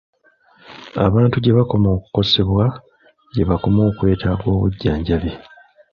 Abantu gye bakoma okukosebwa, gye bakoma okwetaaga obujjanjabi.